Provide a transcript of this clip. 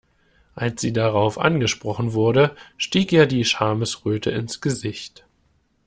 Als sie darauf angesprochen wurde, stieg ihr die Schamesröte ins Gesicht.